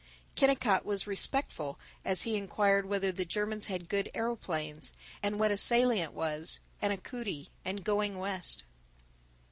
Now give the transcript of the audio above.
Kennicott was respectful as he inquired whether the Germans had good aeroplanes, and what a salient was, and a cootie, and Going West.